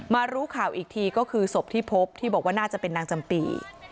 รู้ข่าวอีกทีก็คือศพที่พบที่บอกว่าน่าจะเป็นนางจำปี